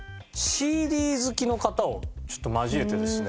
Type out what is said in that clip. ＣＤ好きの方をちょっと交えてですね